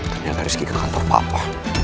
ternyata rizky ke kantor papa